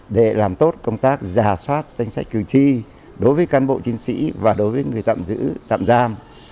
để làm tốt công tác giả soát danh sách cử tri đối với cán bộ chiến sĩ và đối với người tạm giữ tạm giam